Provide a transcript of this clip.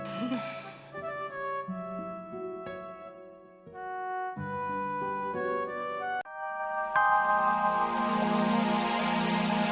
oke kita akan lihat